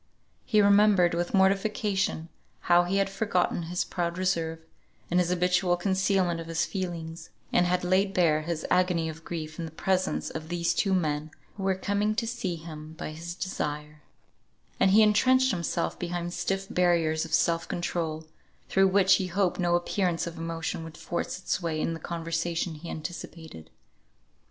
He remembered with mortification how he had forgotten his proud reserve, and his habitual concealment of his feelings, and had laid bare his agony of grief in the presence of these two men who were coming to see him by his desire; and he entrenched himself behind stiff barriers of self control, through which he hoped no appearance of emotion would force its way in the conversation he anticipated.